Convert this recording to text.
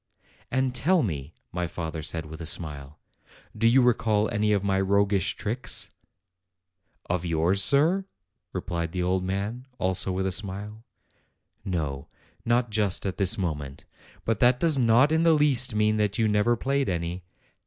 "And tell me," my father said, with a smile, "do you recall any of my roguish tricks?' 1 "Of yours, sir?" replied the old man, also with a smile. "No; not just at this moment. But that does not in the least mean that you never played any.